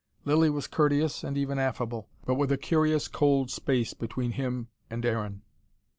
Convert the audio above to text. Lilly was courteous and even affable: but with a curious cold space between him and Aaron.